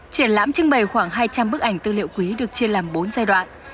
triển lãm trưng bày khoảng hai trăm linh bức ảnh tư liệu quý được chia làm bốn giai đoạn